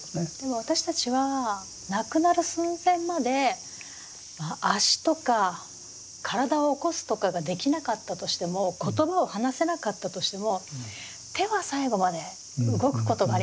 私たちは亡くなる寸前まで足とか体を起こすとかができなかったとしても言葉を話せなかったとしても手は最後まで動くことがありますよね。